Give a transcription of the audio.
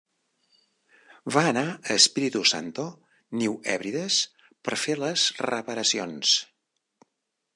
Va anar a Espíritu Santo, New Hebrides, per fer les reparacions.